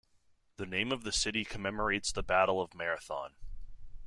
The name of the city commemorates the Battle of Marathon.